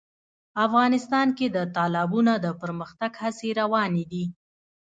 افغانستان کې د تالابونه د پرمختګ هڅې روانې دي.